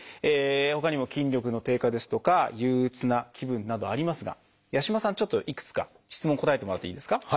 ほかにも「筋力の低下」ですとか「憂うつな気分」などありますが八嶋さんちょっといくつか質問答えてもらっていいですか？